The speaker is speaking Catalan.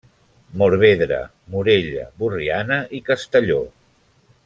Morvedre, Morella, Borriana i Castelló.